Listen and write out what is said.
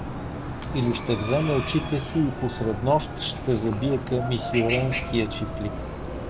Или ще вземе очите си и посреднощ ще забие към Исьоренския чифлик.